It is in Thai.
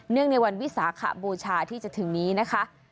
ในวันวิสาขบูชาที่จะถึงนี้นะคะ